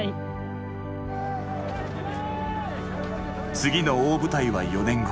次の大舞台は４年後。